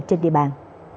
trên địa bàn